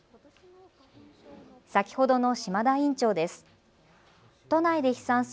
先ほどの島田院長です。